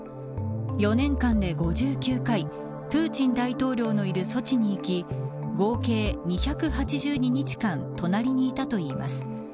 ４年間で５９回プーチン大統領のいるソチに行き合計２８２日間隣にいたといいます。